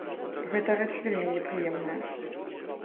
Гэта рэч вельмі непрыемная.